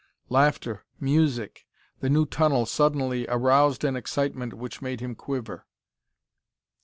Laughter, music, the new tunnel suddenly aroused an excitement which made him quiver.